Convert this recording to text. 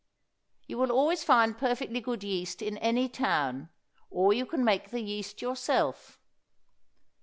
You will always find perfectly good yeast in any town, or you can make the yeast yourself.